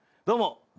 どうも。